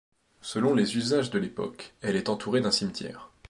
Selon les usages de l’époque, elle est entourée d’un cimetière.